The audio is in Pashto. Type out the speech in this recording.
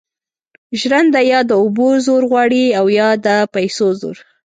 ژرنده یا د اوبو زور غواړي او یا د پیسو زور.